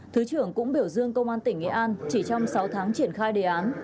thứ trưởng cũng biểu dương công an tỉnh nghệ an chỉ trong sáu tháng triển khai đề án